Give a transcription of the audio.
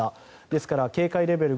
ですから警戒レベル